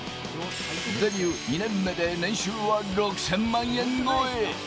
デビュー２年目で、年収は６０００万円超え。